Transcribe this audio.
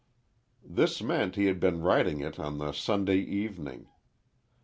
This meant he had been writing it on the Sunday evening.